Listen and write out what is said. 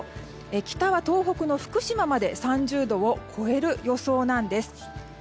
北は東北の福島まで３０度を超える予想です。